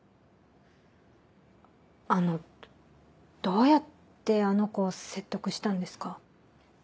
あのどうやってあの子を説得したんですか？